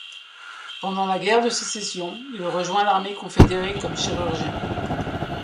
Pendant la Guerre de Sécession, il rejoint l'armée confédérée comme chirurgien.